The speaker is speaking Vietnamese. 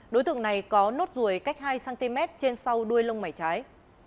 đối tượng này có nốt ruồi cách hai cm trên sau đuôi lông mảy trái